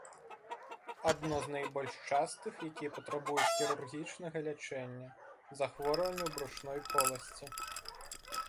Адно з найбольш частых, якія патрабуюць хірургічнага лячэння, захворванняў брушной поласці.